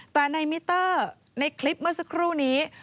แต่ในมิเตอร์ในคลิปเมื่อสักครู่นี้